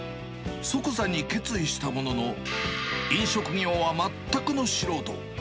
即座に決意したものの、飲食業は全くの素人。